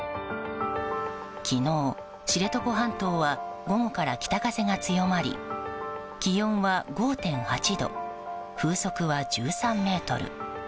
昨日、知床半島は午後から北風が強まり気温は５．８度風速は１３メートル。